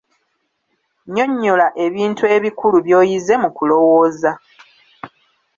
Nnyonnyola ebintu ebikulu by'oyize mu kulowooza.